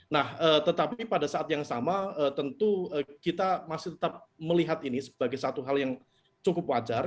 nah tetapi pada saat yang sama tentu kita masih tetap melihat ini sebagai satu hal yang cukup wajar